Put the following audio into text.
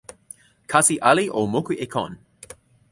kasi ali o moku e kon.